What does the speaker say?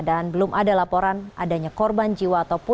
belum ada laporan adanya korban jiwa